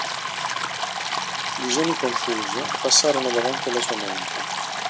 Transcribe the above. Visioni confuse passarono davanti alla sua mente.